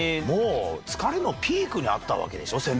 もう疲れのピークにあったわけでしょ？